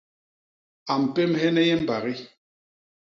A mpémhene nye mbagi.